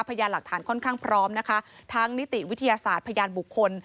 พยานหลักฐานค่อนข้างพร้อมนะคะทั้งนิติวิทยาศาสตร์พยานบุคคล